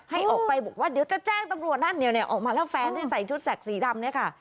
ให้ออกไปบอกว่าเดี๋ยวจะแจ้งตำรวจด้านเดียวเนี่ยออกมาแล้วแฟนใส่ชุดแสกสีดำเนี่ยค่ะ